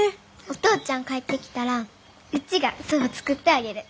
お父ちゃん帰ってきたらうちがそば作ってあげる！